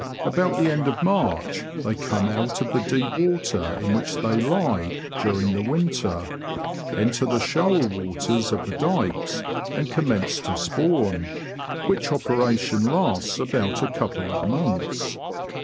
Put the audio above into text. About the end of March they come out of the deep water in which they lie during the winter, enter the shoal waters of the dykes, and commence to spawn, which operation lasts about a couple of months.